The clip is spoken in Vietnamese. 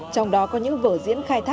trong đó có những vở diễn khai thác